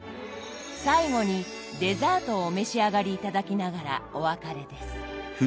最後にデザートをお召し上がり頂きながらお別れです。